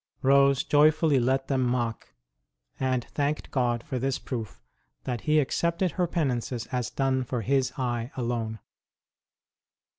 Rose joyfully let them mock, and thanked God for this proof that He accepted her penances as done for His eye alone.